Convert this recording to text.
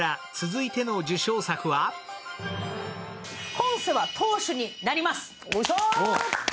「今世は当主になります」。